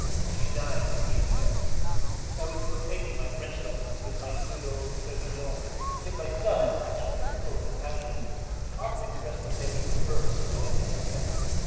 She died ten years ago. I was still taking my French lessons with my good old Crebillon; yet my style, which was full of Italianisms, often expressed the very reverse of what I meant to say.